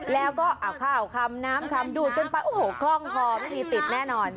แล้วก็เอาข้าวคำน้ำคำดูดกันไปโอ้โหคล่องคอไม่มีติดแน่นอน